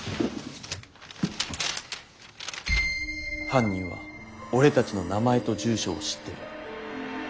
犯人は俺たちの名前と住所を知ってる。